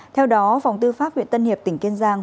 theo đó phòng tư pháp huyện tân hiệp tỉnh kiên giang